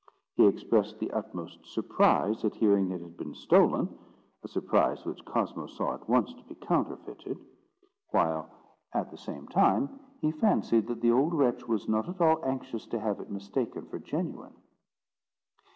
He expressed the utmost surprise at hearing it had been stolen, a surprise which Cosmo saw at once to be counterfeited; while, at the same time, he fancied that the old wretch was not at all anxious to have it mistaken for genuine.